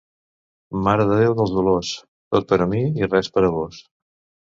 Mare de Déu dels Dolors: tot per a mi i res per a vós.